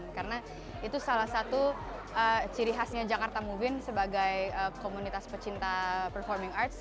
karena itu salah satu ciri khasnya jakarta moving sebagai komunitas pecinta performing arts